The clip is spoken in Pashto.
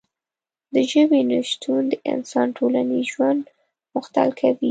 د ژبې نشتون د انسان ټولنیز ژوند مختل کوي.